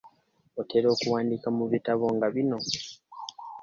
Otera okuwandiika mu bitabo nga bino?